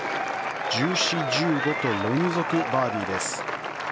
１４、１５と連続バーディーです。